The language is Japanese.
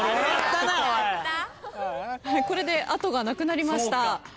これで後がなくなりました。